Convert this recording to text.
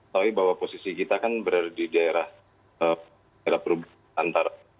tapi bahwa posisi kita kan berada di daerah perubahan antara